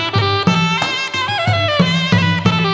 กลับไปด้วย